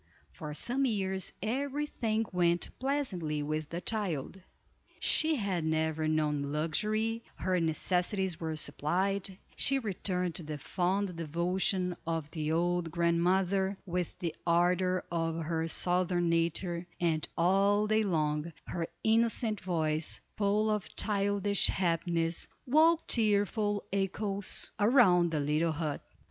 For some years every thing went pleasantly with the child; she had never known luxury, her necessities were supplied, she returned the fond devotion of the old grandmother, with the ardor of her Southern nature; and, all day long, her innocent voice, full of childish happiness, woke cheerful echoes around the little hut.